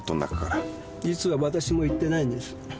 実はわたしも行ってないんです。